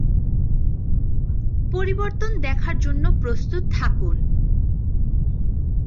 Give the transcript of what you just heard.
পরিবর্তন দেখার জন্য প্রস্তুত থাকুন।